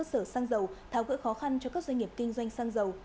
và tính giá cơ sở xăng dầu tháo gỡ khó khăn cho các doanh nghiệp kinh doanh xăng dầu